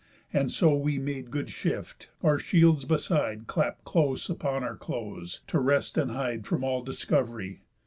And so we made good shift, our shields beside Clapp'd close upon our clothes, to rest and hide From all discovery.